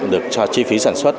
được cho chi phí sản xuất